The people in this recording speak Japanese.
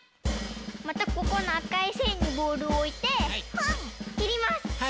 またここのあかいせんにボールをおいてけります。